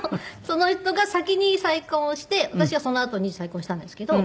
その人が先に再婚をして私はそのあとに再婚したんですけど。